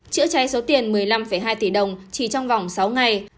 chữa cháy số tiền một mươi năm hai tỷ đồng chỉ trong vòng sáu ngày